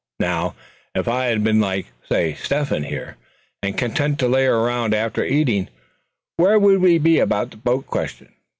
Now, if I'd been like, say Step hen here, and content to lay around after eating, where'd we be about the boat question?